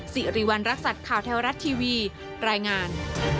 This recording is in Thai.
สิริวัณรักษัตริย์ข่าวแท้รัฐทีวีรายงาน